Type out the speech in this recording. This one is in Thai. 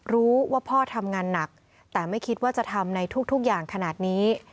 รู้ว่าพ่อทำงานหนักแต่ไม่คิดว่าจะทำในทุกอย่างขนาดนี้